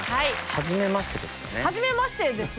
はじめましてですね。